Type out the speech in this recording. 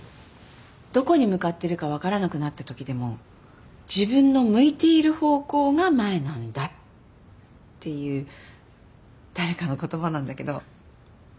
「どこに向かってるか分からなくなったときでも自分の向いている方向が前なんだ」っていう誰かの言葉なんだけど。